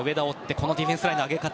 このディフェンスラインの上げ方。